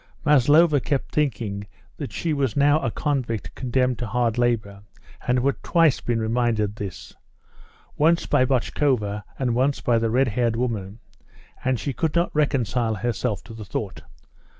Maslova kept thinking that she was now a convict condemned to hard labour, and had twice been reminded of this once by Botchkova and once by the red haired woman and she could not reconcile herself to the thought.